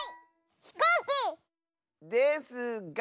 ひこうき！ですが。